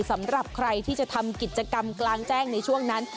สำหรับใครที่จะทำกิจกรรมกลางแจ้งในช่วงนั้น